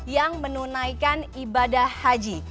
yang menunaikan ibadah haji